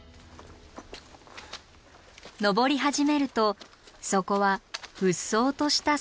登り始めるとそこはうっそうとした杉林。